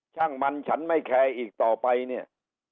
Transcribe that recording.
ช่างมันฉันไม่แคร์อีกต่อไปเนี่ย